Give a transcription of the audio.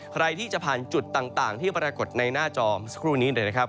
ใครที่จะผ่านจุดต่างที่ปรากฏในหน้าจอเมื่อสักครู่นี้เลยนะครับ